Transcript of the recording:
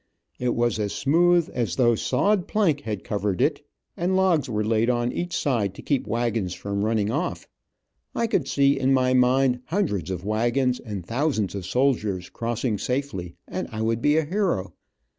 It was as smooth as though sawed plank had covered it, and logs were laid on each side to keep wagons from running off. I could see, in my mind, hundreds of wagons, and thousands of soldiers, crossing safely, and I would be a hero.